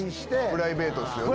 プライベートっすよね。